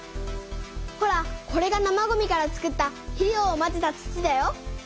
ほらこれが生ごみから作った肥料をまぜた土だよ。